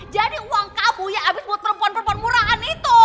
jadi uang kamu ya abis buat perempuan perempuan murahan itu